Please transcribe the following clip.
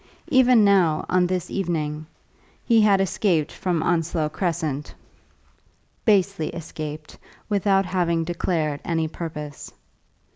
Even now, on this evening, he had escaped from Onslow Crescent, basely escaped, without having declared any purpose.